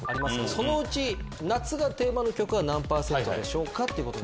そのうち夏がテーマの曲は何％でしょうか？ということ。